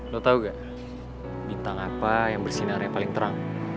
lo tahu nggak bintang apa yang bersinar yang paling terang